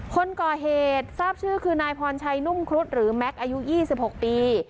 คนก่อเหตุทราบชื่อคือนายพรชัยนุ่มครุฑหรือแม็กซ์อายุ๒๖ปี